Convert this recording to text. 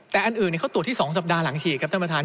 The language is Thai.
แต่อันอื่นเขาตรวจที่๒สัปดาห์หลังฉีดครับท่านประธาน